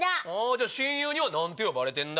じゃあ親友には何て呼ばれてんだ？